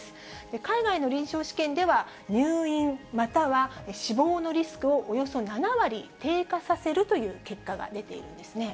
海外の臨床試験では、入院または死亡のリスクをおよそ７割低下させるという結果が出ているんですね。